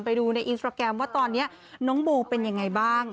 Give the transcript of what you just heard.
ไปดูในอินสตราแกรมว่าตอนนี้น้องโบเป็นยังไงบ้าง